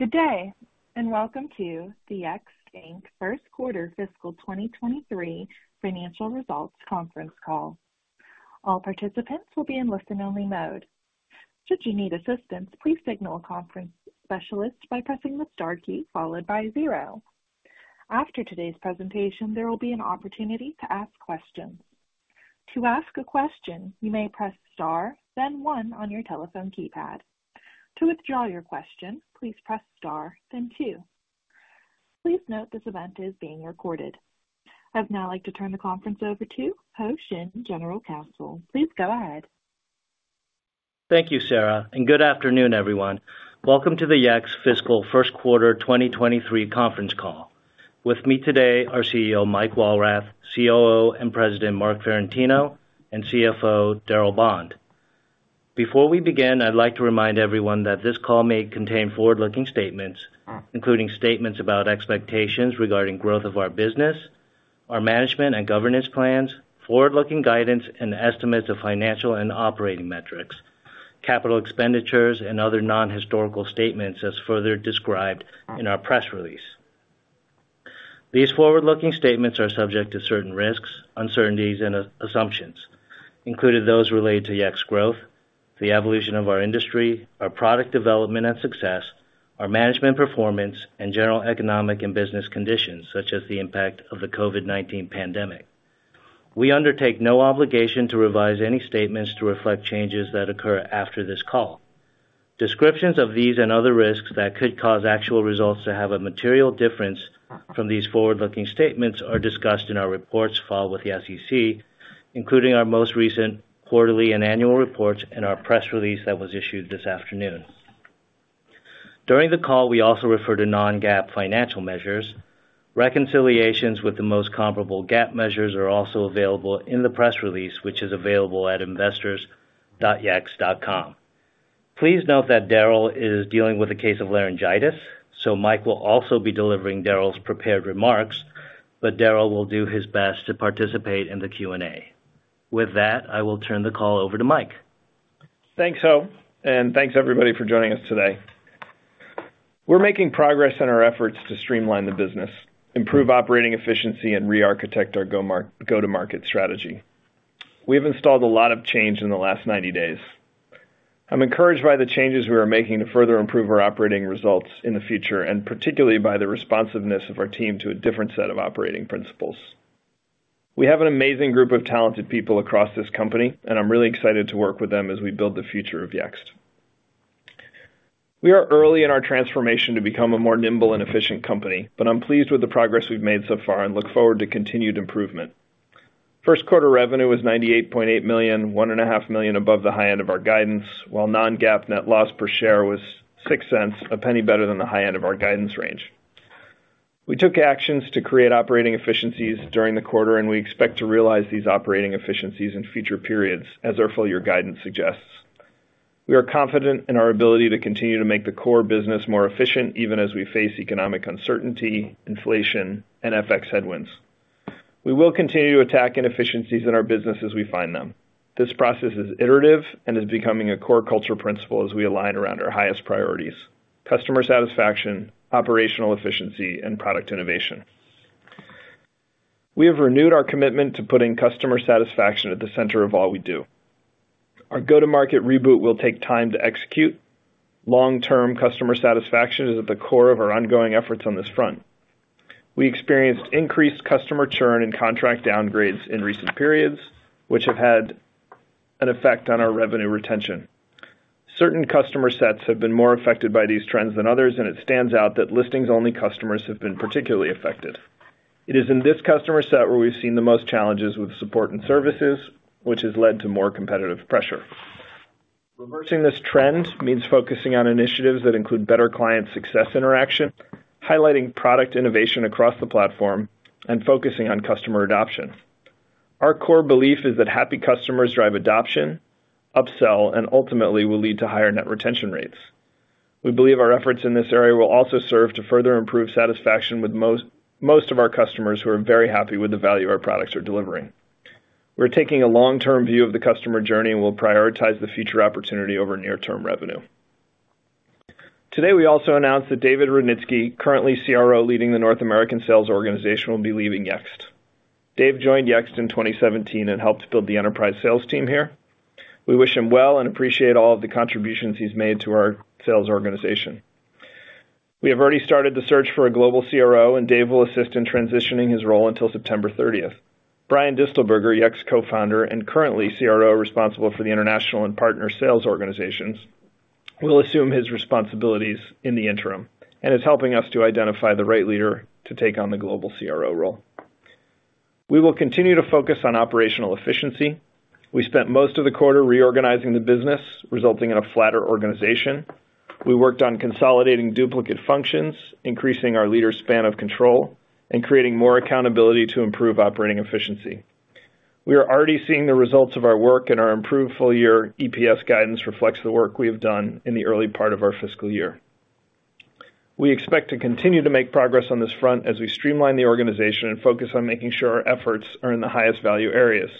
Good day, and Welcome to the Yext, Inc. First Quarter fiscal 2023 Financial Results Conference Call. All participants will be in listen-only mode. Should you need assistance, please signal a conference specialist by pressing the star key followed by zero. After today's presentation, there will be an opportunity to ask questions. To ask a question, you may press star, then one on your telephone keypad. To withdraw your question, please press star, then two. Please note this event is being recorded. I'd now like to turn the conference over to Ho Shin, General Counsel. Please go ahead. Thank you, Sarah, and good afternoon, everyone. Welcome to the Yext Fiscal First Quarter 2023 Conference Call. With me today are CEO Mike Walrath, COO and President Marc Ferrentino, and CFO Darryl Bond. Before we begin, I'd like to remind everyone that this call may contain forward-looking statements, including statements about expectations regarding growth of our business, our management and governance plans, forward-looking guidance and estimates of financial and operating metrics, capital expenditures and other non-historical statements as further described in our press release. These forward-looking statements are subject to certain risks, uncertainties and assumptions, including those related to Yext growth, the evolution of our industry, our product development and success, our management performance and general economic and business conditions, such as the impact of the COVID-19 pandemic. We undertake no obligation to revise any statements to reflect changes that occur after this call. Descriptions of these and other risks that could cause actual results to have a material difference from these forward-looking statements are discussed in our reports filed with the SEC, including our most recent quarterly and annual reports and our press release that was issued this afternoon. During the call, we also refer to non-GAAP financial measures. Reconciliations with the most comparable GAAP measures are also available in the press release, which is available at investors.yext.com. Please note that Darryl is dealing with a case of laryngitis, so Mike will also be delivering Darryl's prepared remarks, but Darryl will do his best to participate in the Q&A. With that, I will turn the call over to Mike. Thanks, Ho. Thanks everybody for joining us today. We're making progress in our efforts to streamline the business, improve operating efficiency and re-architect our go-to-market strategy. We've installed a lot of change in the last 90 days. I'm encouraged by the changes we are making to further improve our operating results in the future, and particularly by the responsiveness of our team to a different set of operating principles. We have an amazing group of talented people across this company, and I'm really excited to work with them as we build the future of Yext. We are early in our transformation to become a more nimble and efficient company, but I'm pleased with the progress we've made so far and look forward to continued improvement. First quarter revenue was $98.8 million, $1.5 million above the high end of our guidance, while non-GAAP net loss per share was $0.06, $0.01 better than the high end of our guidance range. We took actions to create operating efficiencies during the quarter, and we expect to realize these operating efficiencies in future periods as our full year guidance suggests. We are confident in our ability to continue to make the core business more efficient, even as we face economic uncertainty, inflation, and FX headwinds. We will continue to attack inefficiencies in our business as we find them. This process is iterative and is becoming a core culture principle as we align around our highest priorities, customer satisfaction, operational efficiency, and product innovation. We have renewed our commitment to putting customer satisfaction at the center of all we do. Our go-to-market reboot will take time to execute. Long-term customer satisfaction is at the core of our ongoing efforts on this front. We experienced increased customer churn and contract downgrades in recent periods, which have had an effect on our revenue retention. Certain customer sets have been more affected by these trends than others, and it stands out that listings-only customers have been particularly affected. It is in this customer set where we've seen the most challenges with support and services, which has led to more competitive pressure. Reversing this trend means focusing on initiatives that include better client success interaction, highlighting product innovation across the platform and focusing on customer adoption. Our core belief is that happy customers drive adoption, upsell, and ultimately will lead to higher net retention rates. We believe our efforts in this area will also serve to further improve satisfaction with most of our customers who are very happy with the value our products are delivering. We're taking a long-term view of the customer journey and will prioritize the future opportunity over near-term revenue. Today, we also announced that David Rudnitsky, currently CRO leading the North American sales organization, will be leaving Yext. Dave joined Yext in 2017 and helped build the enterprise sales team here. We wish him well and appreciate all of the contributions he's made to our sales organization. We have already started the search for a global CRO, and Dave will assist in transitioning his role until September 13th. Brian Distelburger, Yext co-founder and currently CRO responsible for the international and partner sales organizations, will assume his responsibilities in the interim and is helping us to identify the right leader to take on the global CRO role. We will continue to focus on operational efficiency. We spent most of the quarter reorganizing the business, resulting in a flatter organization. We worked on consolidating duplicate functions, increasing our leaders' span of control and creating more accountability to improve operating efficiency. We are already seeing the results of our work, and our improved full year EPS guidance reflects the work we have done in the early part of our fiscal year. We expect to continue to make progress on this front as we streamline the organization and focus on making sure our efforts are in the highest value areas.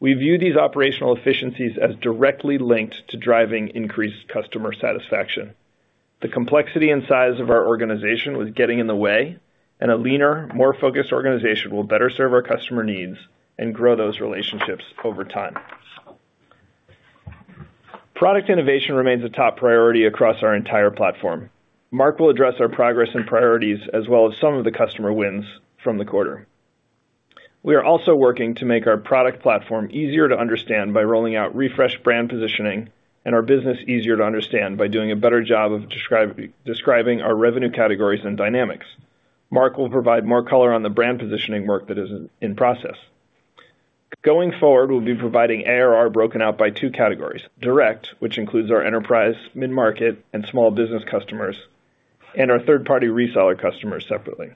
We view these operational efficiencies as directly linked to driving increased customer satisfaction. The complexity and size of our organization was getting in the way, and a leaner, more focused organization will better serve our customer needs and grow those relationships over time. Product innovation remains a top priority across our entire platform. Marc will address our progress and priorities as well as some of the customer wins from the quarter. We are also working to make our product platform easier to understand by rolling out refreshed brand positioning and our business easier to understand by doing a better job of describing our revenue categories and dynamics. Marc will provide more color on the brand positioning work that is in process. Going forward, we'll be providing ARR broken out by two categories, direct, which includes our enterprise, mid-market, and small business customers, and our third-party reseller customers separately.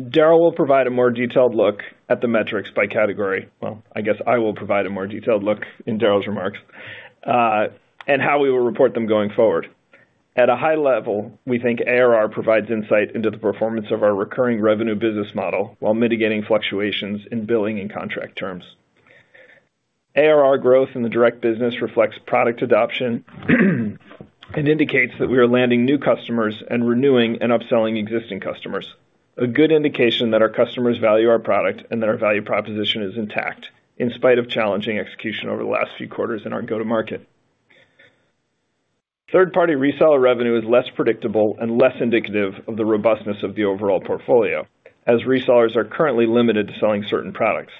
Darryl will provide a more detailed look at the metrics by category. Well, I guess I will provide a more detailed look in Darryl's remarks, and how we will report them going forward. At a high level, we think ARR provides insight into the performance of our recurring revenue business model while mitigating fluctuations in billing and contract terms. ARR growth in the direct business reflects product adoption and indicates that we are landing new customers and renewing and upselling existing customers. A good indication that our customers value our product and that our value proposition is intact in spite of challenging execution over the last few quarters in our go-to-market. Third-party reseller revenue is less predictable and less indicative of the robustness of the overall portfolio, as resellers are currently limited to selling certain products.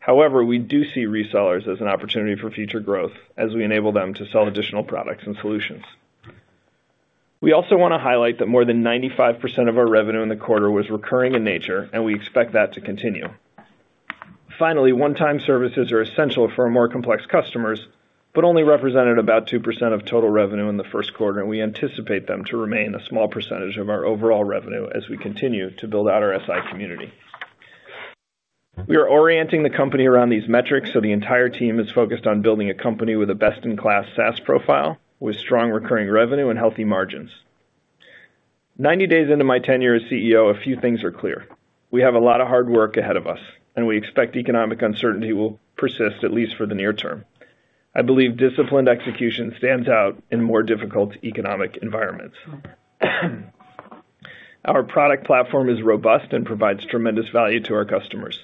However, we do see resellers as an opportunity for future growth as we enable them to sell additional products and solutions. We also wanna highlight that more than 95% of our revenue in the quarter was recurring in nature, and we expect that to continue. Finally, one-time services are essential for our more complex customers, but only represented about 2% of total revenue in the first quarter, and we anticipate them to remain a small percentage of our overall revenue as we continue to build out our SI community. We are orienting the company around these metrics so the entire team is focused on building a company with a best-in-class SaaS profile with strong recurring revenue and healthy margins. 90 days into my tenure as CEO, a few things are clear. We have a lot of hard work ahead of us, and we expect economic uncertainty will persist, at least for the near term. I believe disciplined execution stands out in more difficult economic environments. Our product platform is robust and provides tremendous value to our customers.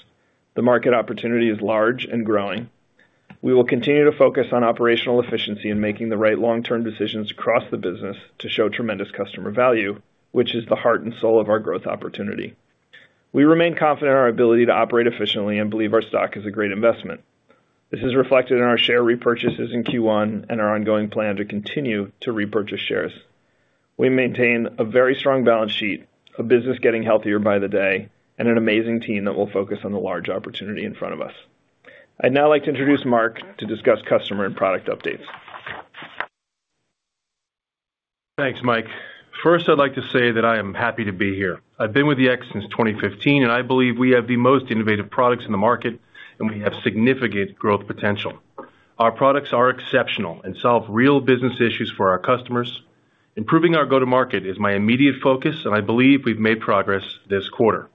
The market opportunity is large and growing. We will continue to focus on operational efficiency and making the right long-term decisions across the business to show tremendous customer value, which is the heart and soul of our growth opportunity. We remain confident in our ability to operate efficiently and believe our stock is a great investment. This is reflected in our share repurchases in Q1 and our ongoing plan to continue to repurchase shares. We maintain a very strong balance sheet, a business getting healthier by the day, and an amazing team that will focus on the large opportunity in front of us. I'd now like to introduce Marc Ferrentino to discuss customer and product updates. Thanks, Mike. First, I'd like to say that I am happy to be here. I've been with Yext since 2015, and I believe we have the most innovative products in the market, and we have significant growth potential. Our products are exceptional and solve real business issues for our customers. Improving our go-to-market is my immediate focus, and I believe we've made progress this quarter.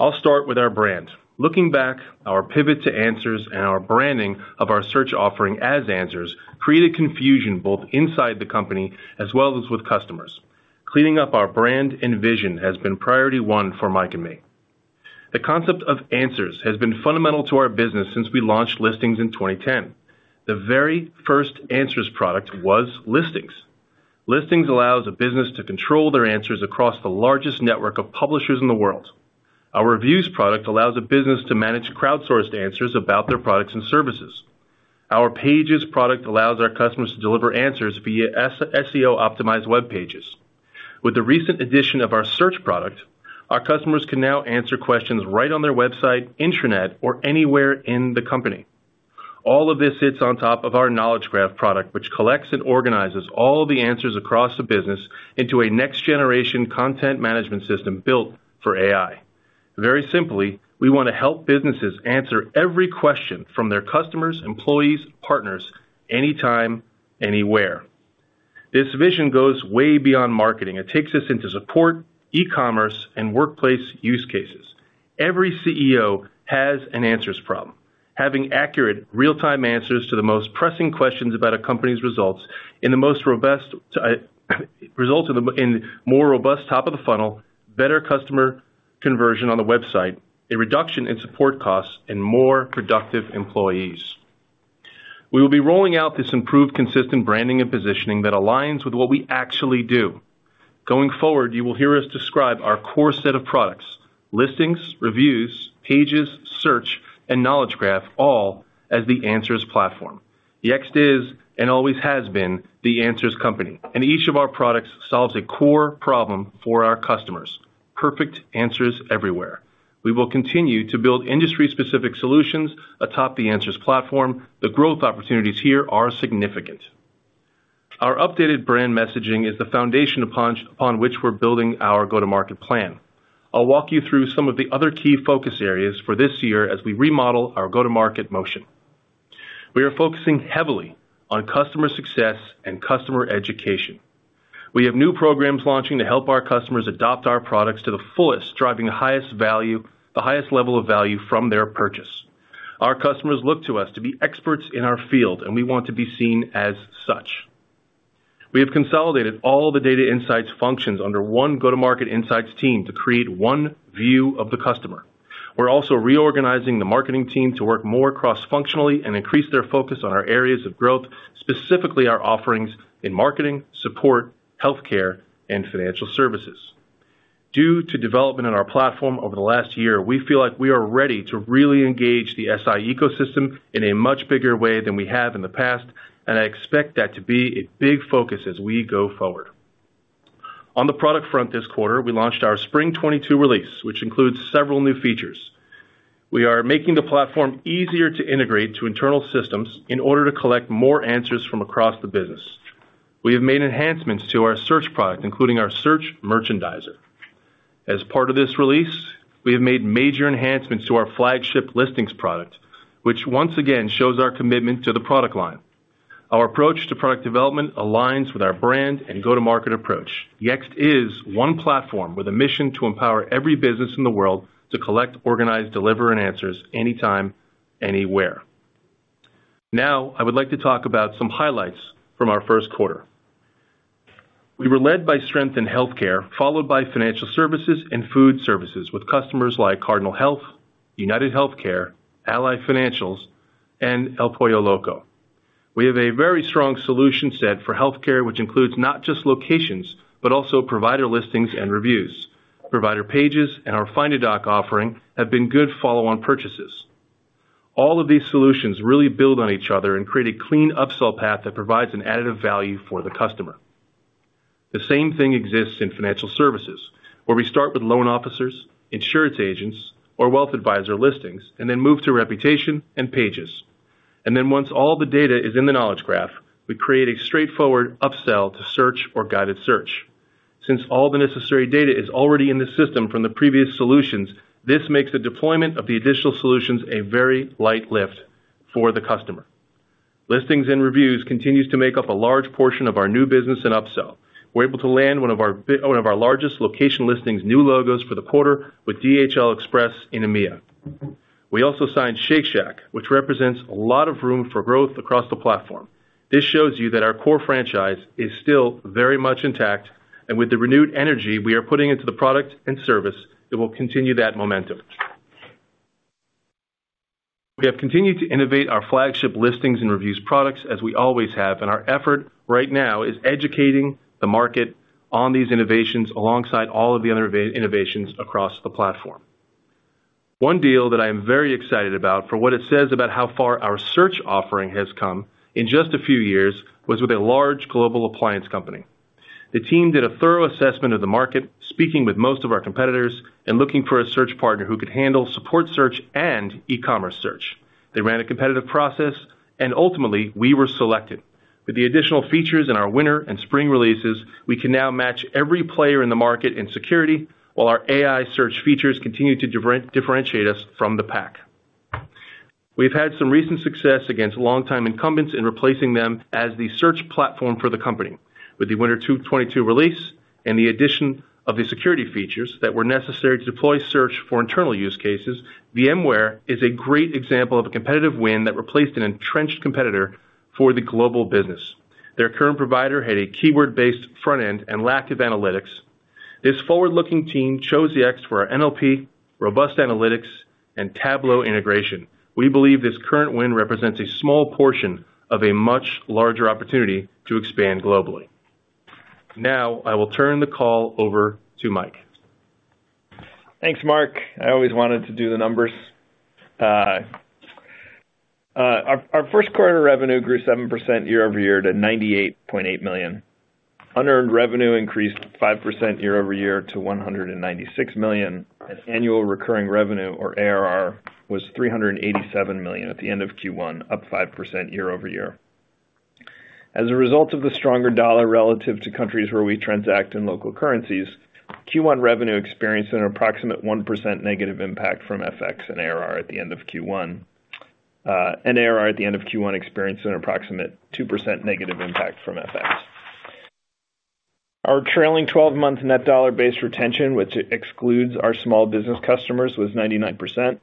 I'll start with our brand. Looking back, our pivot to Answers and our branding of our search offering as Answers created confusion both inside the company as well as with customers. Cleaning up our brand and vision has been priority one for Mike and me. The concept of Answers has been fundamental to our business since we launched Listings in 2010. The very first Answers product was Listings. Listings allows a business to control their answers across the largest network of publishers in the world. Our Reviews product allows a business to manage crowdsourced answers about their products and services. Our Pages product allows our customers to deliver answers via SEO optimized web pages. With the recent addition of our Search product, our customers can now answer questions right on their website, internet or anywhere in the company. All of this sits on top of our Knowledge Graph product, which collects and organizes all the answers across the business into a next generation content management system built for AI. Very simply, we wanna help businesses answer every question from their customers, employees, partners, anytime, anywhere. This vision goes way beyond marketing. It takes us into support, e-commerce, and workplace use cases. Every CEO has an Answers problem. Having accurate real-time answers to the most pressing questions about a company's results in more robust top of the funnel, better customer conversion on the website, a reduction in support costs, and more productive employees. We will be rolling out this improved consistent branding and positioning that aligns with what we actually do. Going forward, you will hear us describe our core set of products, Listings, Reviews, Pages, Search, and Knowledge Graph, all as the Answers Platform. Yext is, and always has been, the Answers company, and each of our products solves a core problem for our customers. Perfect answers everywhere. We will continue to build industry-specific solutions atop the Answers Platform. The growth opportunities here are significant. Our updated brand messaging is the foundation upon which we're building our go-to-market plan. I'll walk you through some of the other key focus areas for this year as we remodel our go-to-market motion. We are focusing heavily on customer success and customer education. We have new programs launching to help our customers adopt our products to the fullest, driving the highest value, the highest level of value from their purchase. Our customers look to us to be experts in our field, and we want to be seen as such. We have consolidated all the data insights functions under one go-to-market insights team to create one view of the customer. We're also reorganizing the marketing team to work more cross-functionally and increase their focus on our areas of growth, specifically our offerings in marketing, support, healthcare, and financial services. Due to development in our platform over the last year, we feel like we are ready to really engage the SI ecosystem in a much bigger way than we have in the past, and I expect that to be a big focus as we go forward. On the product front this quarter, we launched our spring 2022 release, which includes several new features. We are making the platform easier to integrate to internal systems in order to collect more answers from across the business. We have made enhancements to our Search product, including our Search Merchandiser. As part of this release, we have made major enhancements to our flagship Listings product, which once again shows our commitment to the product line. Our approach to product development aligns with our brand and go-to-market approach. Yext is one platform with a mission to empower every business in the world to collect, organize, and deliver answers anytime, anywhere. Now, I would like to talk about some highlights from our first quarter. We were led by strength in healthcare, followed by financial services and food services, with customers like Cardinal Health, UnitedHealthcare, Ally Financial, and El Pollo Loco. We have a very strong solution set for healthcare, which includes not just locations, but also provider listings and reviews. Provider pages and our Find-a-Doc offering have been good follow-on purchases. All of these solutions really build on each other and create a clean upsell path that provides an additive value for the customer. The same thing exists in financial services, where we start with loan officers, insurance agents, or wealth advisor listings, and then move to reputation and pages. Once all the data is in the Knowledge Graph, we create a straightforward upsell to Search or guided search. Since all the necessary data is already in the system from the previous solutions, this makes the deployment of the additional solutions a very light lift for the customer. Listings and Reviews continues to make up a large portion of our new business in upsell. We're able to land one of our largest location listings new logos for the quarter with DHL Express in EMEA. We also signed Shake Shack, which represents a lot of room for growth across the platform. This shows you that our core franchise is still very much intact, and with the renewed energy we are putting into the product and service, it will continue that momentum. We have continued to innovate our flagship Listings and Reviews products as we always have, and our effort right now is educating the market on these innovations alongside all of the other innovations across the platform. One deal that I am very excited about for what it says about how far our Search offering has come in just a few years was with a large global appliance company. The team did a thorough assessment of the market, speaking with most of our competitors and looking for a Search partner who could handle support Search and e-commerce Search. They ran a competitive process, and ultimately, we were selected. With the additional features in our winter and spring releases, we can now match every player in the market in security, while our AI Search features continue to differentiate us from the pack. We've had some recent success against longtime incumbents in replacing them as the search platform for the company. With the winter 2022 release and the addition of the security features that were necessary to deploy search for internal use cases, VMware is a great example of a competitive win that replaced an entrenched competitor for the global business. Their current provider had a keyword-based front-end and lack of analytics. This forward-looking team chose Yext for our NLP, robust analytics, and Tableau integration. We believe this current win represents a small portion of a much larger opportunity to expand globally. Now, I will turn the call over to Mike. Thanks, Marc. I always wanted to do the numbers. Our first quarter revenue grew 7% year-over-year to $98.8 million. Unearned revenue increased 5% year-over-year to $196 million. Annual recurring revenue or ARR was $387 million at the end of Q1, up 5% year-over-year. As a result of the stronger dollar relative to countries where we transact in local currencies, Q1 revenue experienced an approximate 1% negative impact from FX and ARR at the end of Q1. ARR at the end of Q1 experienced an approximate 2% negative impact from FX. Our trailing twelve-month net dollar-based retention, which excludes our small business customers, was 99%,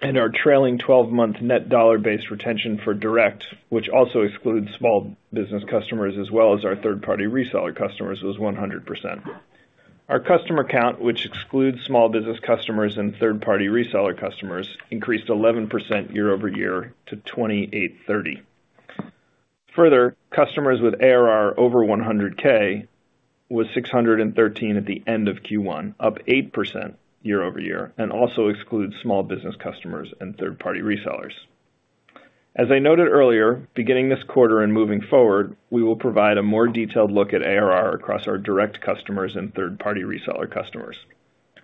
and our trailing twelve-month net dollar-based retention for direct, which also excludes small business customers as well as our third-party reseller customers, was 100%. Our customer count, which excludes small business customers and third-party reseller customers, increased 11% year-over-year to 28,300. Further, customers with ARR over 100K was 613 at the end of Q1, up 8% year-over-year, and also excludes small business customers and third-party resellers. As I noted earlier, beginning this quarter and moving forward, we will provide a more detailed look at ARR across our direct customers and third-party reseller customers.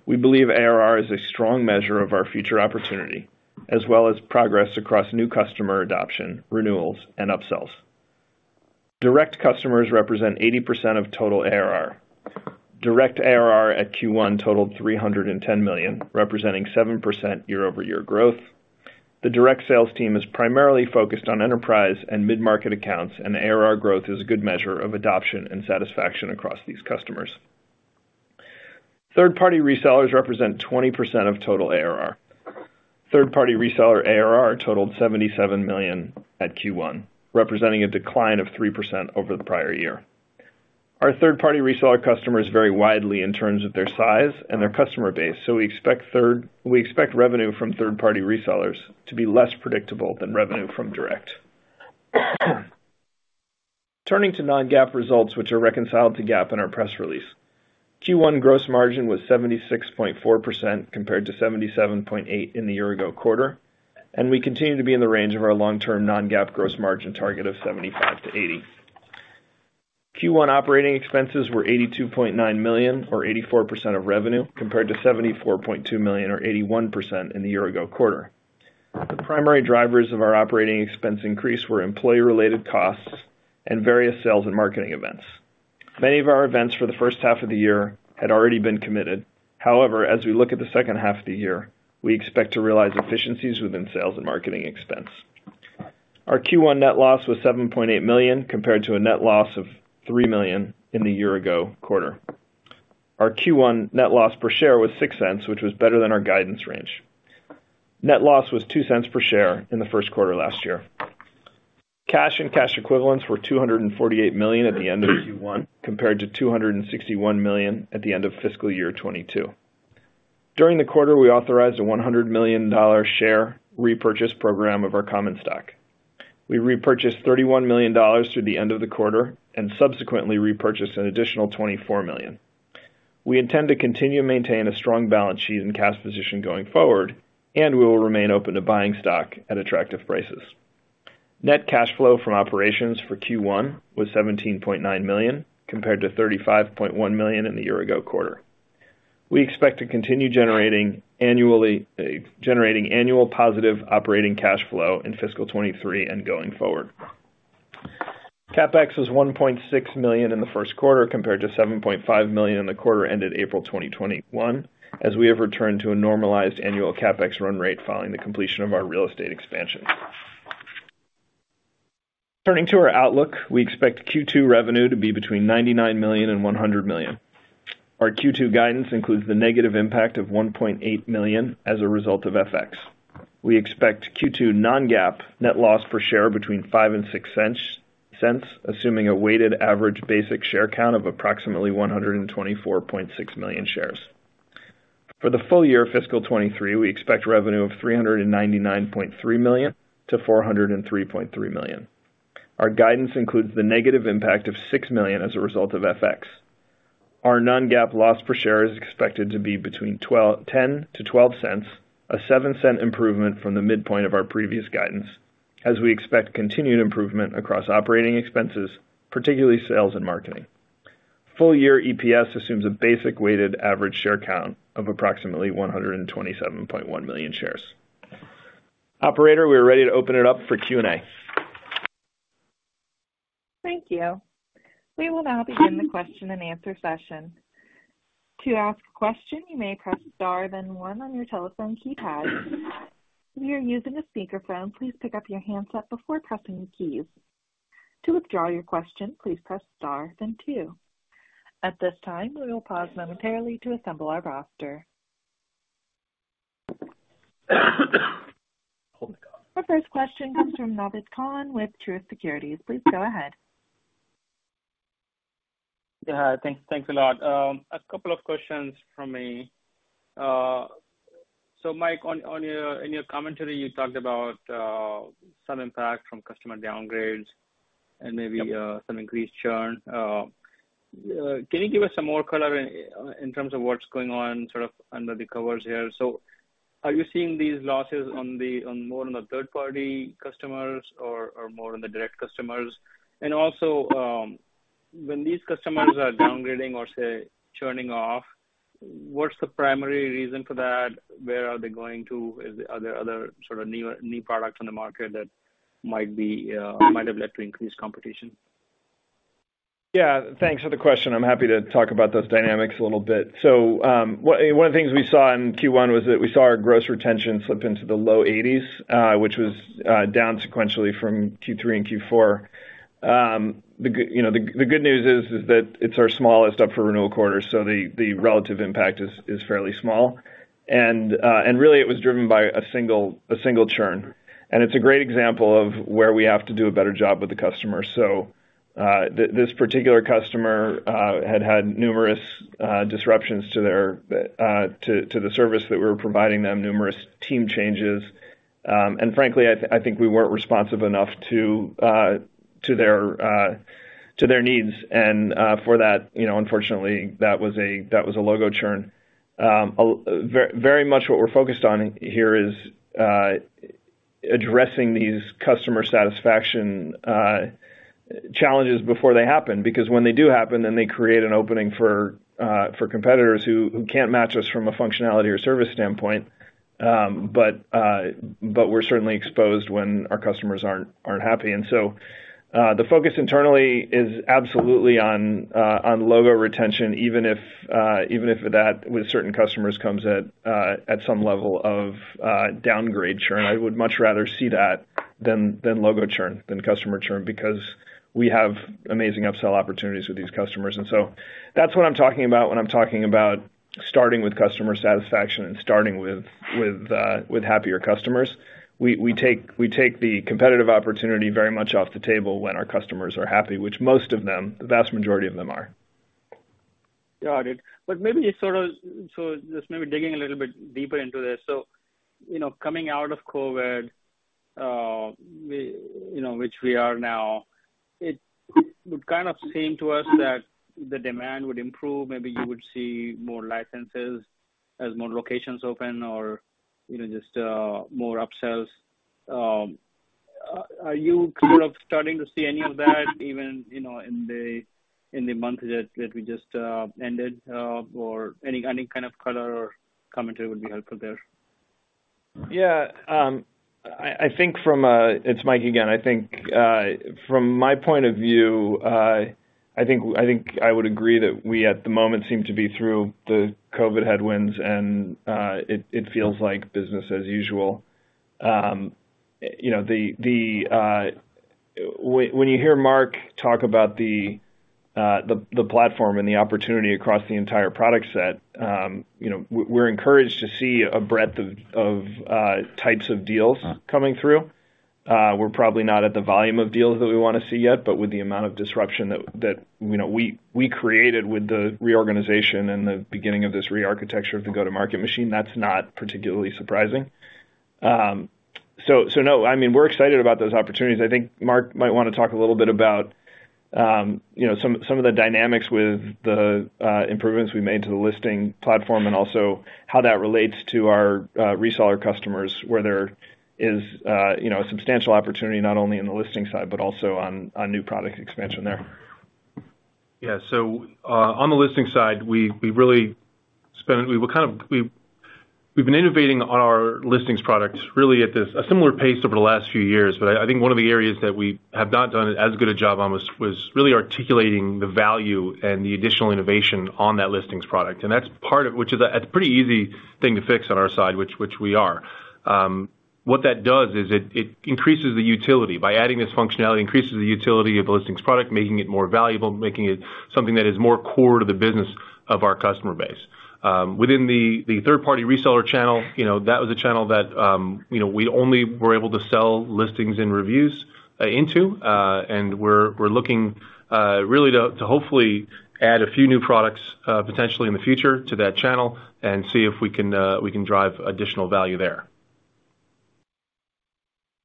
We believe ARR is a strong measure of our future opportunity, as well as progress across new customer adoption, renewals, and upsells. Direct customers represent 80% of total ARR. Direct ARR at Q1 totaled $310 million, representing 7% year-over-year growth. The direct sales team is primarily focused on enterprise and mid-market accounts, and ARR growth is a good measure of adoption and satisfaction across these customers. Third-party resellers represent 20% of total ARR. Third-party reseller ARR totaled $77 million at Q1, representing a decline of 3% over the prior year. Our third-party reseller customers vary widely in terms of their size and their customer base, so we expect revenue from third-party resellers to be less predictable than revenue from direct. Turning to non-GAAP results, which are reconciled to GAAP in our press release. Q1 gross margin was 76.4% compared to 77.8% in the year ago quarter, and we continue to be in the range of our long-term non-GAAP gross margin target of 75%-80%. Q1 operating expenses were $82.9 million or 84% of revenue, compared to $74.2 million or 81% in the year ago quarter. The primary drivers of our operating expense increase were employee-related costs and various sales and marketing events. Many of our events for the first half of the year had already been committed. However, as we look at the second half of the year, we expect to realize efficiencies within sales and marketing expense. Our Q1 net loss was $7.8 million, compared to a net loss of $3 million in the year ago quarter. Our Q1 net loss per share was $0.06, which was better than our guidance range. Net loss was $0.02 per share in the first quarter last year. Cash and cash equivalents were $248 million at the end of Q1, compared to $261 million at the end of fiscal year 2022. During the quarter, we authorized a $100 million share repurchase program of our common stock. We repurchased $31 million through the end of the quarter and subsequently repurchased an additional $24 million. We intend to continue to maintain a strong balance sheet and cash position going forward, and we will remain open to buying stock at attractive prices. Net cash flow from operations for Q1 was $17.9 million, compared to $35.1 million in the year ago quarter. We expect to continue generating annual positive operating cash flow in fiscal 2023 and going forward. CapEx was $1.6 million in the first quarter, compared to $7.5 million in the quarter ended April 2021, as we have returned to a normalized annual CapEx run rate following the completion of our real estate expansion. Turning to our outlook, we expect Q2 revenue to be between $99 million and $100 million. Our Q2 guidance includes the negative impact of $1.8 million as a result of FX. We expect Q2 non-GAAP net loss per share between $0.05 and $0.06, assuming a weighted average basic share count of approximately 124.6 million shares. For the full year fiscal 2023, we expect revenue of $399.3 million-$403.3 million. Our guidance includes the negative impact of $6 million as a result of FX. Our non-GAAP loss per share is expected to be between $0.10-$0.12, a $0.07 Improvement from the midpoint of our previous guidance, as we expect continued improvement across operating expenses, particularly sales and marketing. Full year EPS assumes a basic weighted average share count of approximately 127.1 million shares. Operator, we are ready to open it up for Q&A. Thank you. We will now begin the question and answer session. To ask a question, you may press star, then one on your telephone keypad. If you are using a speakerphone, please pick up your handset before pressing the keys. To withdraw your question, please press star, then two. At this time, we will pause momentarily to assemble our roster. Oh, my God. The first question comes from Naved Khan with Truist Securities. Please go ahead. Yeah, thanks. Thanks a lot. A couple of questions from me. Mike, in your commentary, you talked about some impact from customer downgrades and maybe some increased churn. Can you give us some more color in terms of what's going on sort of under the covers here? Are you seeing these losses more on the third-party customers or more on the direct customers? Also, when these customers are downgrading or say churning off, what's the primary reason for that? Where are they going to? Are there other sort of new products on the market that might have led to increased competition? Yeah, thanks for the question. I'm happy to talk about those dynamics a little bit. One of the things we saw in Q1 was that we saw our gross retention slip into the low 80s%, which was down sequentially from Q3 and Q4. You know, the good news is that it's our smallest up-for-renewal quarter. The relative impact is fairly small. Really it was driven by a single churn. It's a great example of where we have to do a better job with the customer. This particular customer had numerous disruptions to the service that we were providing them, numerous team changes. Frankly, I think we weren't responsive enough to their needs. For that, you know, unfortunately, that was a logo churn. Very much what we're focused on here is addressing these customer satisfaction challenges before they happen, because when they do happen, they create an opening for competitors who can't match us from a functionality or service standpoint. We're certainly exposed when our customers aren't happy. The focus internally is absolutely on logo retention, even if that with certain customers comes at some level of downgrade churn. I would much rather see that than logo churn, than customer churn, because we have amazing upsell opportunities with these customers. That's what I'm talking about when I'm talking about starting with customer satisfaction and starting with happier customers. We take the competitive opportunity very much off the table when our customers are happy, which most of them, the vast majority of them are. Got it. Just maybe digging a little bit deeper into this. You know, coming out of COVID, which we are now, it would kind of seem to us that the demand would improve. Maybe you would see more licenses as more locations open or, you know, just more upsells. Are you kind of starting to see any of that even, you know, in the month that we just ended? Any kind of color or commentary would be helpful there. Yeah. It's Mike again. I think from my point of view, I think I would agree that we, at the moment, seem to be through the COVID headwinds and it feels like business as usual. You know, when you hear Marc talk about the platform and the opportunity across the entire product set, you know, we're encouraged to see a breadth of types of deals coming through. We're probably not at the volume of deals that we wanna see yet, but with the amount of disruption that you know we created with the reorganization and the beginning of this rearchitecture of the go-to-market machine, that's not particularly surprising. No, I mean, we're excited about those opportunities. I think Marc might wanna talk a little bit about, you know, some of the dynamics with the improvements we made to the listing platform, and also how that relates to our reseller customers, where there is, you know, a substantial opportunity, not only in the listing side, but also on new product expansion there. We've been innovating on our Listings products really at a similar pace over the last few years. I think one of the areas that we have not done as good a job on was really articulating the value and the additional innovation on that Listings product. That's a pretty easy thing to fix on our side, which we are. What that does is it increases the utility. By adding this functionality, increases the utility of the Listings product, making it more valuable, making it something that is more core to the business of our customer base. Within the third-party reseller channel, you know, that was a channel that we only were able to sell Listings and Reviews into. We're looking really to hopefully add a few new products potentially in the future to that channel and see if we can drive additional value there.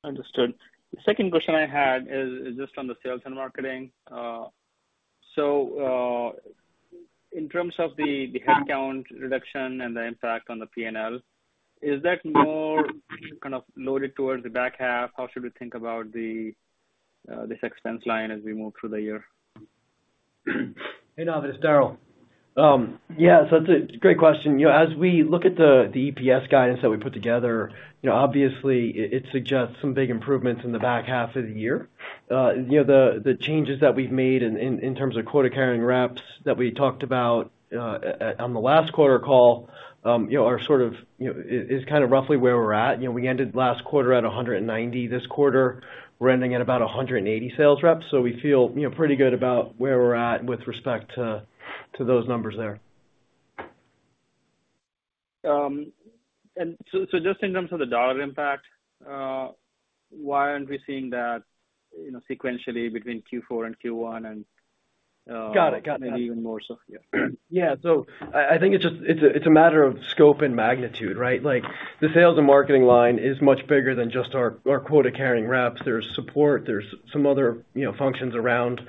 Understood. The second question I had is just on the sales and marketing. In terms of the headcount reduction and the impact on the P&L, is that more kind of loaded towards the back half? How should we think about this expense line as we move through the year? Hey, Naved, it's Darryl. It's a great question. You know, as we look at the EPS guidance that we put together, you know, obviously it suggests some big improvements in the back half of the year. You know, the changes that we've made in terms of quota-carrying reps that we talked about on the last quarter call, you know, are sort of is kinda roughly where we're at. You know, we ended last quarter at 190. This quarter, we're ending at about 180 sales reps. We feel, you know, pretty good about where we're at with respect to those numbers there. Just in terms of the dollar impact, why aren't we seeing that, you know, sequentially between Q4 and Q1? Got it. Got that. Maybe even more so? Yeah. Yeah. I think it's just a matter of scope and magnitude, right? Like the sales and marketing line is much bigger than just our quota-carrying reps. There's support, there's some other, you know, functions around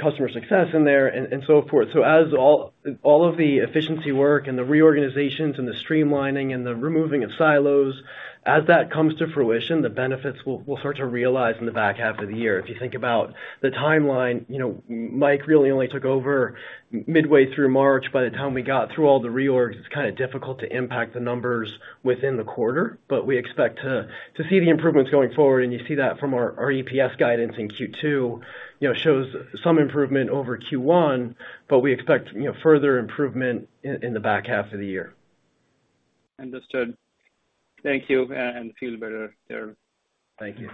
customer success in there and so forth. As all of the efficiency work and the reorganizations and the streamlining and the removing of silos, as that comes to fruition, the benefits we'll start to realize in the back half of the year. If you think about the timeline, you know, Mike really only took over midway through March. By the time we got through all the reorgs, it's kinda difficult to impact the numbers within the quarter. We expect to see the improvements going forward, and you see that from our EPS guidance in Q2, you know, shows some improvement over Q1, but we expect, you know, further improvement in the back half of the year. Understood. Thank you. Feel better, Darryl. Thank you.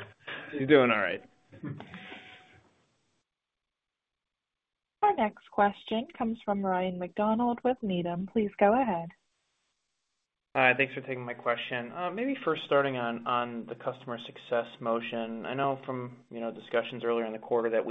He's doing all right. Our next question comes from Ryan MacDonald with Needham. Please go ahead. Hi. Thanks for taking my question. Maybe first starting on the customer success motion. I know from, you know, discussions earlier in the quarter that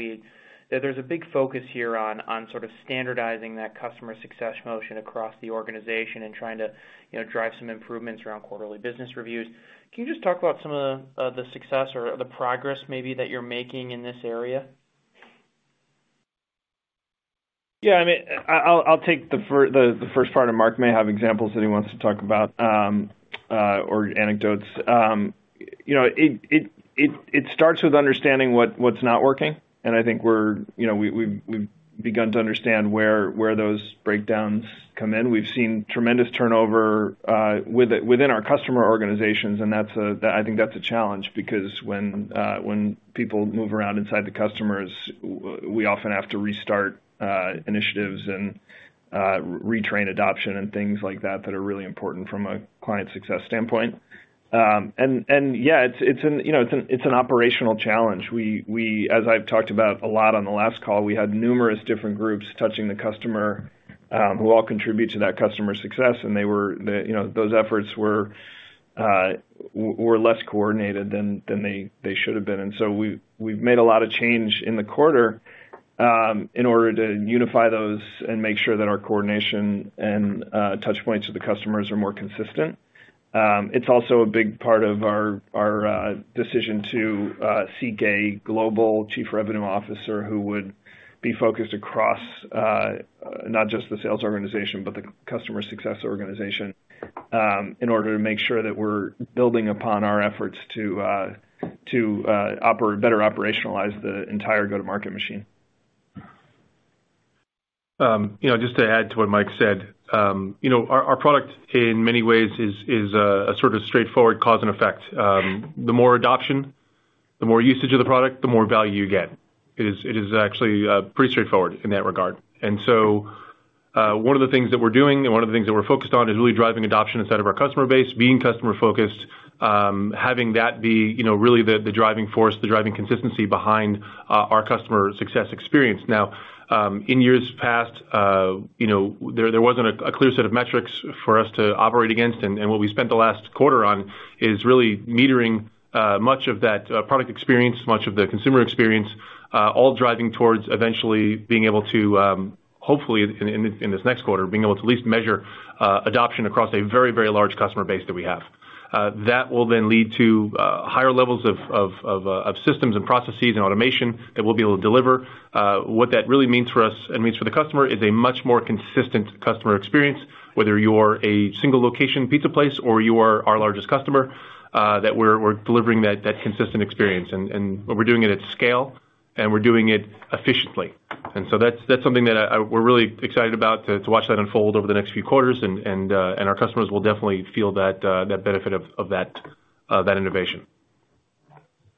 there's a big focus here on sort of standardizing that customer success motion across the organization and trying to, you know, drive some improvements around quarterly business reviews. Can you just talk about some of the success or the progress maybe that you're making in this area? Yeah. I mean, I'll take the first part, and Marc may have examples that he wants to talk about. Or anecdotes. You know, it starts with understanding what's not working. I think we've begun to understand where those breakdowns come in. We've seen tremendous turnover within our customer organizations, and that's a challenge because when people move around inside the customers, we often have to restart initiatives and retrain adoption and things like that that are really important from a client success standpoint. Yeah, it's an operational challenge. As I've talked about a lot on the last call, we had numerous different groups touching the customer who all contribute to that customer success, and they were, you know, those efforts were less coordinated than they should have been. We've made a lot of change in the quarter in order to unify those and make sure that our coordination and touch points with the customers are more consistent. It's also a big part of our decision to seek a global chief revenue officer who would be focused across not just the sales organization, but the customer success organization in order to make sure that we're building upon our efforts to better operationalize the entire go-to-market machine. You know, just to add to what Mike said, you know, our product in many ways is a sort of straightforward cause and effect. The more adoption, the more usage of the product, the more value you get. It is actually pretty straightforward in that regard. One of the things that we're doing, and one of the things that we're focused on is really driving adoption inside of our customer base, being customer-focused, having that be, you know, really the driving force, the driving consistency behind our customer success experience. Now, in years past, you know, there wasn't a clear set of metrics for us to operate against, and what we spent the last quarter on is really metering much of that product experience, much of the consumer experience, all driving towards eventually being able to, hopefully in this next quarter, being able to at least measure adoption across a very large customer base that we have. That will then lead to higher levels of systems and processes and automation that we'll be able to deliver. What that really means for us and means for the customer is a much more consistent customer experience, whether you're a single location pizza place or you are our largest customer, that we're delivering that consistent experience. We're doing it at scale, and we're doing it efficiently. That's something that we're really excited about to watch that unfold over the next few quarters and our customers will definitely feel that benefit of that innovation.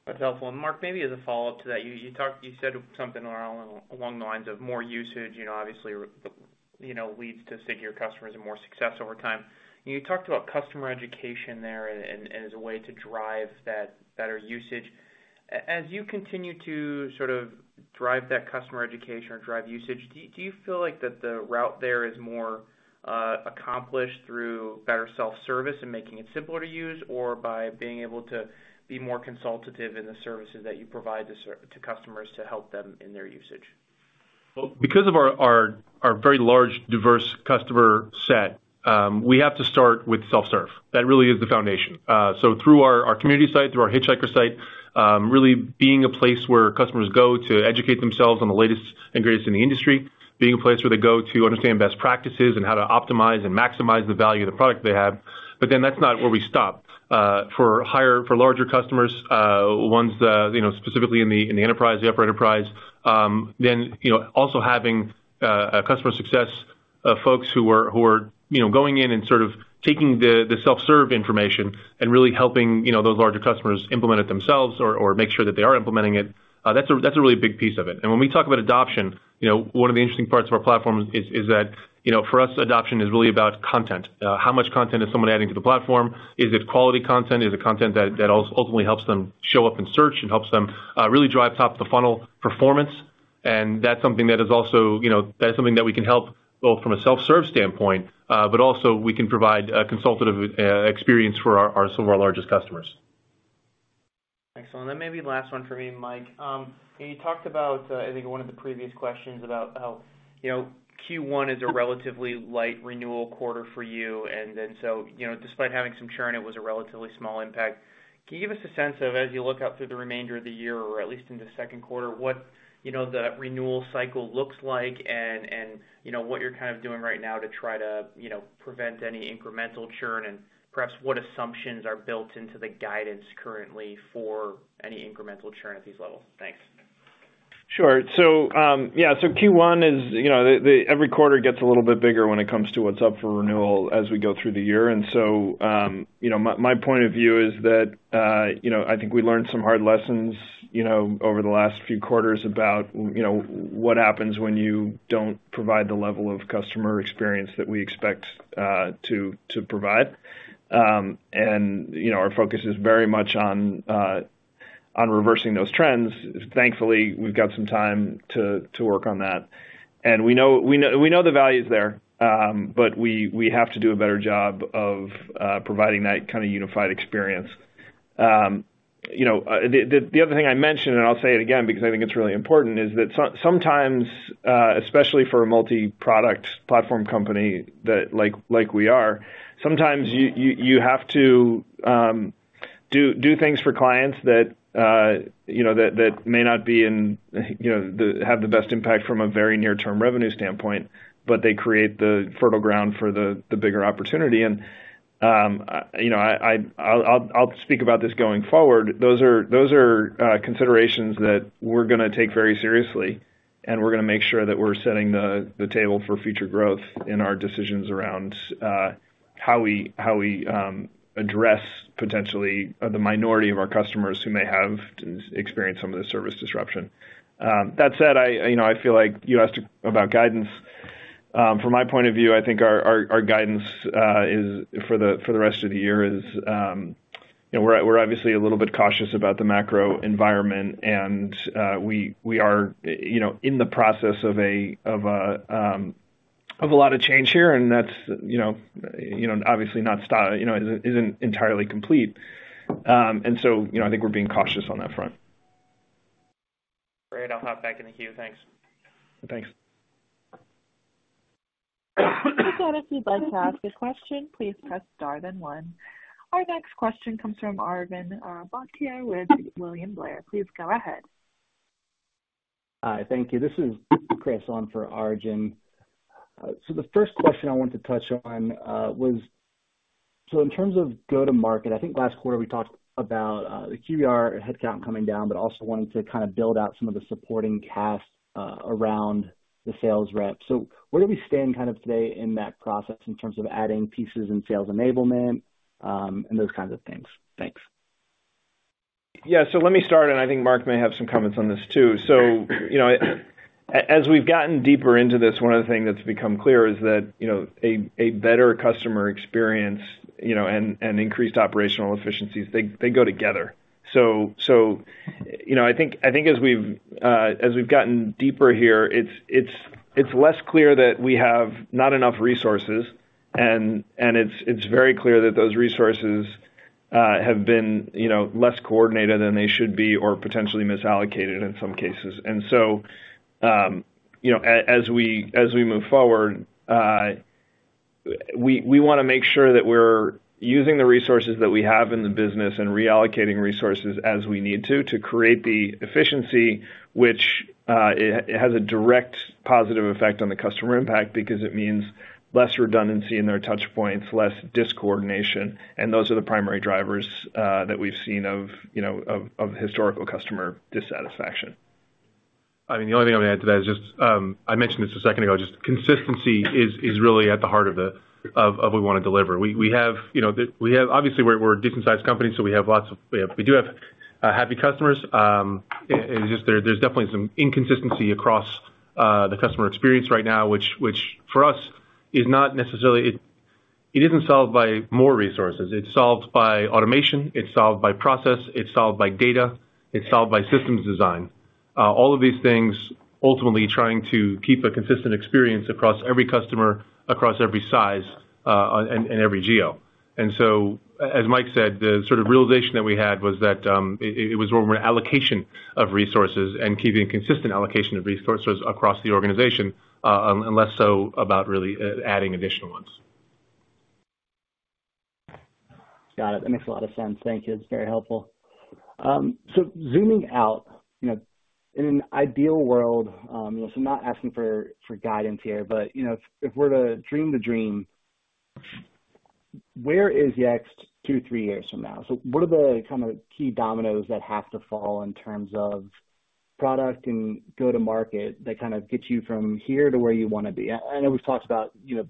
That's helpful. Marc, maybe as a follow-up to that, you talked, you said something along the lines of more usage, you know, obviously, you know, leads to stickier customers and more success over time. You talked about customer education there and as a way to drive that better usage. As you continue to sort of drive that customer education or drive usage, do you feel like that the route there is more accomplished through better self-service and making it simpler to use or by being able to be more consultative in the services that you provide to customers to help them in their usage? Well, because of our very large, diverse customer set, we have to start with self-serve. That really is the foundation. Through our community site, through our Hitchhikers site, really being a place where customers go to educate themselves on the latest and greatest in the industry, being a place where they go to understand best practices and how to optimize and maximize the value of the product they have. That's not where we stop. For larger customers, ones that, you know, specifically in the enterprise, the upper enterprise, then, you know, also having a customer success folks who are, you know, going in and sort of taking the self-serve information and really helping, you know, those larger customers implement it themselves or make sure that they are implementing it, that's a really big piece of it. When we talk about adoption, you know, one of the interesting parts of our platform is that, you know, for us, adoption is really about content. How much content is someone adding to the platform? Is it quality content? Is it content that ultimately helps them show up in search and helps them really drive top-of-the-funnel performance? That's something that is also, you know, that's something that we can help build from a self-serve standpoint, but also we can provide a consultative experience for some of our largest customers. Excellent. Maybe the last one for me, Mike. You talked about, I think in one of the previous questions about how, you know, Q1 is a relatively light renewal quarter for you. Despite having some churn, it was a relatively small impact. Can you give us a sense of, as you look out through the remainder of the year or at least in the second quarter, what, you know, the renewal cycle looks like and, you know, what you're kind of doing right now to try to, you know, prevent any incremental churn? Perhaps what assumptions are built into the guidance currently for any incremental churn at these levels? Thanks. Sure. Yeah, Q1 is, you know, every quarter gets a little bit bigger when it comes to what's up for renewal as we go through the year. You know, my point of view is that, you know, I think we learned some hard lessons, you know, over the last few quarters about, you know, what happens when you don't provide the level of customer experience that we expect to provide. You know, our focus is very much on reversing those trends. Thankfully, we've got some time to work on that. We know the value's there, but we have to do a better job of providing that kind of unified experience. You know, the other thing I mentioned, and I'll say it again because I think it's really important, is that sometimes, especially for a multi-product platform company that like we are, sometimes you have to do things for clients that, you know, that may not be in, you know, have the best impact from a very near-term revenue standpoint, but they create the fertile ground for the bigger opportunity. You know, I'll speak about this going forward. Those are considerations that we're gonna take very seriously, and we're gonna make sure that we're setting the table for future growth in our decisions around how we address potentially the minority of our customers who may have experienced some of the service disruption. That said, you know, I feel like you asked about guidance. From my point of view, I think our guidance is for the rest of the year. You know, we're obviously a little bit cautious about the macro environment, and we are, you know, in the process of a lot of change here, and that's, you know, obviously isn't entirely complete. You know, I think we're being cautious on that front. Great. I'll hop back in the queue. Thanks. Thanks. If you'd like to ask a question, please press star then one. Our next question comes from Arjun Bhatia with William Blair. Please go ahead. Hi. Thank you. This is Chris on for Arjun. The first question I want to touch on was in terms of go-to-market. I think last quarter we talked about the QBR headcount coming down, but also wanting to kind of build out some of the supporting cast around the sales rep. Where do we stand kind of today in that process in terms of adding pieces and sales enablement, and those kinds of things? Thanks. Yeah. Let me start, and I think Marc may have some comments on this too. You know, as we've gotten deeper into this, one of the things that's become clear is that, you know, a better customer experience, you know, and increased operational efficiencies, they go together. You know, I think as we've gotten deeper here, it's less clear that we have not enough resources, and it's very clear that those resources have been, you know, less coordinated than they should be or potentially misallocated in some cases. You know, as we move forward, we wanna make sure that we're using the resources that we have in the business and reallocating resources as we need to create the efficiency which it has a direct positive effect on the customer impact because it means less redundancy in their touchpoints, less discoordination, and those are the primary drivers that we've seen of, you know, of historical customer dissatisfaction. I mean, the only thing I'm gonna add to that is just, I mentioned this a second ago, just consistency is really at the heart of what we wanna deliver. We have, you know, obviously, we're a decent sized company, so we have lots of happy customers. We do have happy customers. It's just that there's definitely some inconsistency across the customer experience right now, which for us is not necessarily. It isn't solved by more resources. It's solved by automation, it's solved by process, it's solved by data, it's solved by systems design. All of these things ultimately trying to keep a consistent experience across every customer, across every size, and every geo. As Mike said, the sort of realization that we had was that it was more allocation of resources and keeping consistent allocation of resources across the organization, and less so about really adding additional ones. Got it. That makes a lot of sense. Thank you. That's very helpful. Zooming out, you know, in an ideal world, I'm not asking for guidance here, but, you know, if we're to dream the dream, where is Yext two, three years from now? What are the kind of key dominoes that have to fall in terms of product and go-to-market that kind of get you from here to where you wanna be? I know we've talked about, you know,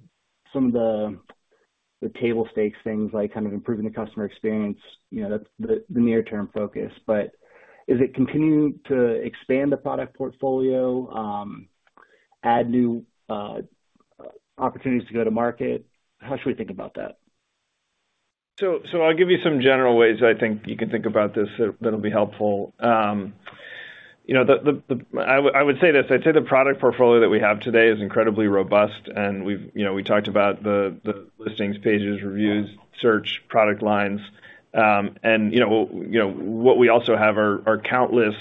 some of the table stakes things like kind of improving the customer experience, you know, that's the near term focus. Is it continuing to expand the product portfolio, add new opportunities to go to market? How should we think about that? I'll give you some general ways I think you can think about this that'll be helpful. You know, I would say this, I'd say the product portfolio that we have today is incredibly robust and we've, you know, we talked about the Listings, Pages, Reviews, Search product lines. You know, what we also have are countless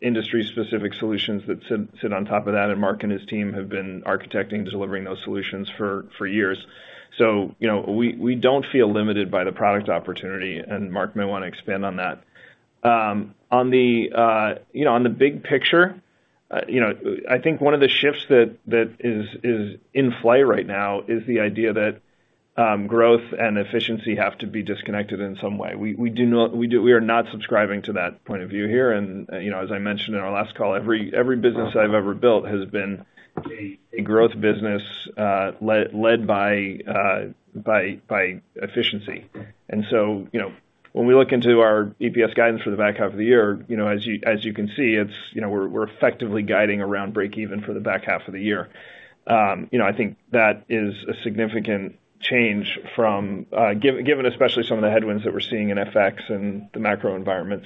industry-specific solutions that sit on top of that, and Marc and his team have been architecting, delivering those solutions for years. You know, we don't feel limited by the product opportunity, and Marc may wanna expand on that. On the big picture, you know, I think one of the shifts that is in play right now is the idea that growth and efficiency have to be disconnected in some way. We are not subscribing to that point of view here. You know, as I mentioned in our last call, every business I've ever built has been a growth business, led by efficiency. You know, when we look into our EPS guidance for the back half of the year, you know, as you can see, we're effectively guiding around break even for the back half of the year. You know, I think that is a significant change from given especially some of the headwinds that we're seeing in FX and the macro environment.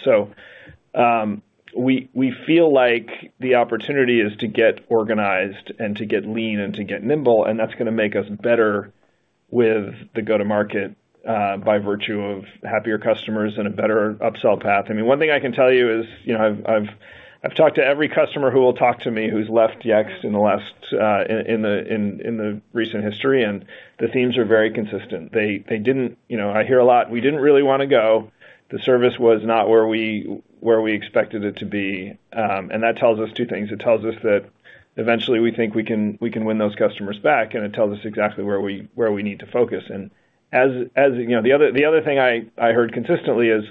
We feel like the opportunity is to get organized and to get lean and to get nimble, and that's gonna make us better with the go-to-market by virtue of happier customers and a better upsell path. I mean, one thing I can tell you is, you know, I've talked to every customer who will talk to me who's left Yext in the recent history, and the themes are very consistent. They didn't. You know, I hear a lot, "We didn't really wanna go. The service was not where we expected it to be." That tells us two things. It tells us that eventually we think we can win those customers back, and it tells us exactly where we need to focus. You know, the other thing I heard consistently is,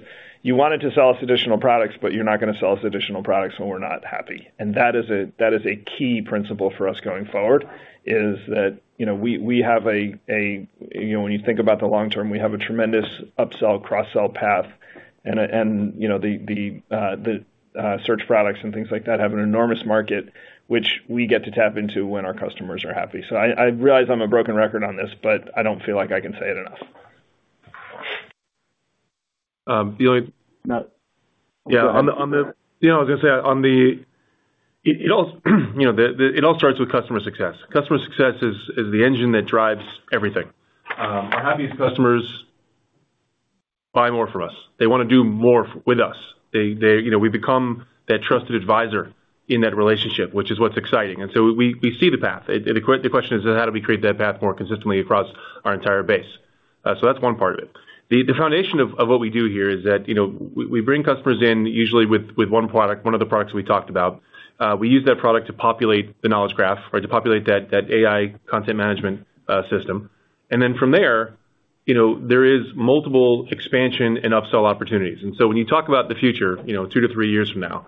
"You wanted to sell us additional products, but you're not gonna sell us additional products when we're not happy." That is a key principle for us going forward, that you know, when you think about the long term, we have a tremendous upsell, cross-sell path. You know, the search products and things like that have an enormous market, which we get to tap into when our customers are happy. I realize I'm a broken record on this, but I don't feel like I can say it enough. Um, the only- No. Yeah. You know, I was gonna say on the. It all starts with customer success. Customer success is the engine that drives everything. Our happiest customers buy more from us. They wanna do more with us. You know, we become their trusted advisor in that relationship, which is what's exciting. We see the path. The question is how do we create that path more consistently across our entire base? So that's one part of it. The foundation of what we do here is that, you know, we bring customers in, usually with one product, one of the products we talked about. We use that product to populate the Knowledge Graph or to populate that AI content management system. From there, you know, there is multiple expansion and upsell opportunities. When you talk about the future, you know, 2-3 years from now,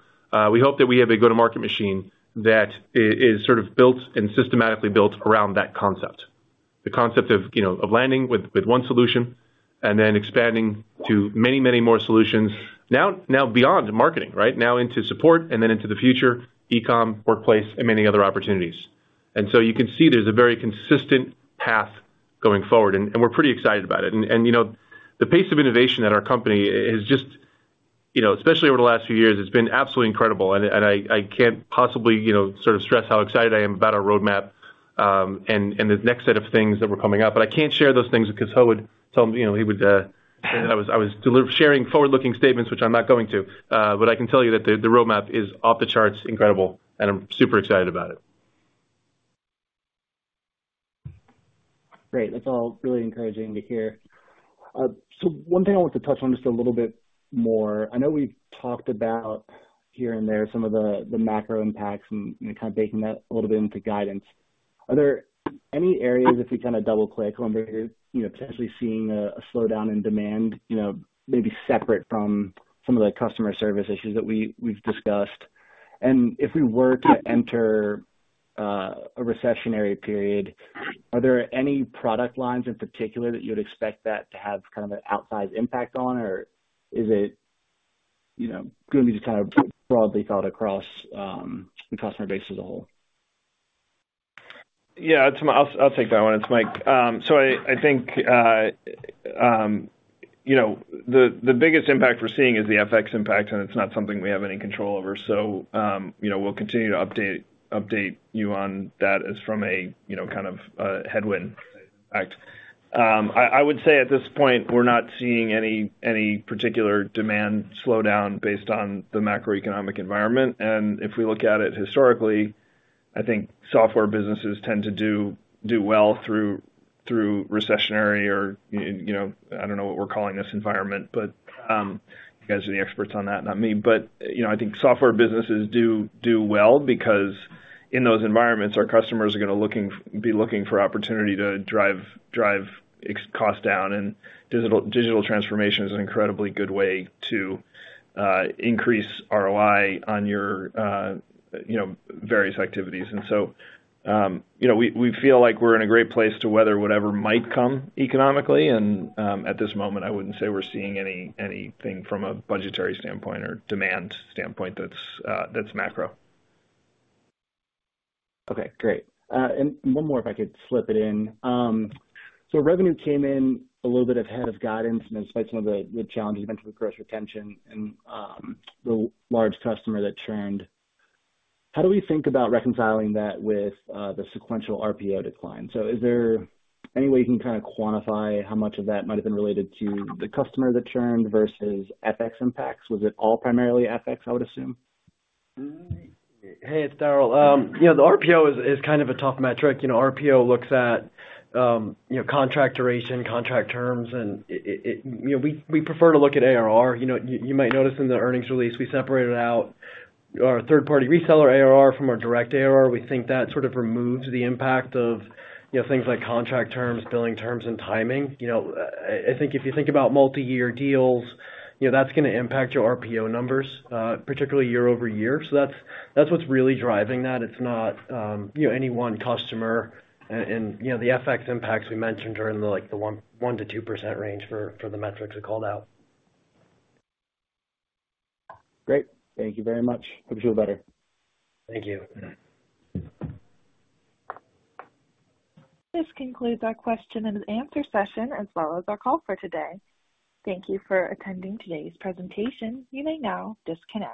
we hope that we have a go-to-market machine that is sort of built and systematically built around that concept. The concept of, you know, of landing with one solution and then expanding to many, many more solutions now beyond marketing, right? Now into support and then into the future, e-com, workplace, and many other opportunities. You can see there's a very consistent path going forward, and we're pretty excited about it. You know, the pace of innovation at our company is just, you know, especially over the last few years, has been absolutely incredible, and I can't possibly, you know, sort of stress how excited I am about our roadmap, and the next set of things that we're coming up. I can't share those things because Ho would tell me, you know, he would say that I was disclosing forward-looking statements, which I'm not going to. I can tell you that the roadmap is off the charts incredible, and I'm super excited about it. Great. That's all really encouraging to hear. One thing I want to touch on just a little bit more. I know we've talked about here and there some of the macro impacts and kind of baking that a little bit into guidance. Are there any areas, if we kinda double-click, where you're potentially seeing a slowdown in demand, you know, maybe separate from some of the customer service issues that we've discussed? If we were to enter a recessionary period, are there any product lines in particular that you would expect that to have kind of an outsized impact on? Or is it, you know, going to be kind of broadly felt across the customer base as a whole? Yeah. I'll take that one. It's Mike. I think you know the biggest impact we're seeing is the FX impact, and it's not something we have any control over. We'll continue to update you on that, from a you know kind of headwind aspect. I would say at this point, we're not seeing any particular demand slowdown based on the macroeconomic environment. If we look at it historically, I think software businesses tend to do well through recessionary or you know I don't know what we're calling this environment. You guys are the experts on that, not me. You know, I think software businesses do well because in those environments, our customers are gonna be looking for opportunity to drive cost down, and digital transformation is an incredibly good way to increase ROI on your, you know, various activities. You know, we feel like we're in a great place to weather whatever might come economically. At this moment, I wouldn't say we're seeing anything from a budgetary standpoint or demand standpoint that's macro. Okay, great. One more, if I could slip it in. Revenue came in a little bit ahead of guidance and despite some of the challenges you mentioned with gross retention and the large customer that churned. How do we think about reconciling that with the sequential RPO decline? Is there any way you can kinda quantify how much of that might have been related to the customer that churned versus FX impacts? Was it all primarily FX, I would assume. Hey, it's Darryl. Yeah, the RPO is kind of a tough metric. You know, RPO looks at contract duration, contract terms. We prefer to look at ARR. You know, you might notice in the earnings release, we separated out our third-party reseller ARR from our direct ARR. We think that sort of removes the impact of, you know, things like contract terms, billing terms, and timing. You know, I think if you think about multi-year deals, you know, that's gonna impact your RPO numbers, particularly year-over-year. That's what's really driving that. It's not any one customer. And you know, the FX impacts we mentioned are in the like 1%-2% range for the metrics we called out. Great. Thank you very much. Hope you feel better. Thank you. This concludes our question and answer session as well as our call for today. Thank you for attending today's presentation. You may now disconnect.